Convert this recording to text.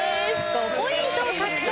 ５ポイント獲得。